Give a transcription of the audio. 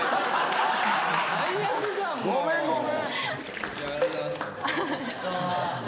最悪じゃんもう。